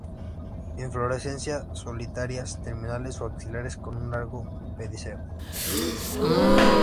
Inflorescencias solitarias, terminales o axilares con un largo pedicelo.